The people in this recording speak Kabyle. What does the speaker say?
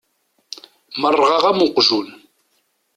Merrɣeɣ am uqjun.